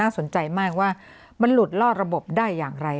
สนใจมากว่ามันหลุดลอดระบบได้อย่างไร